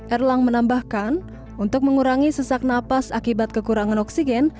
erlang menambahkan untuk mengurangi sesak napas akibat kekurangan oksigen